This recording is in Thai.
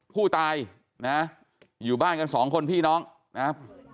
ผู้ตายนะอยู่บ้านกันสองคนพี่น้องนะครับ